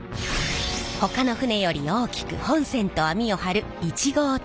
ほかの船より大きく本船と網を張る１号艇。